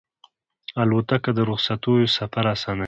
الوتکه د رخصتیو سفر اسانه کوي.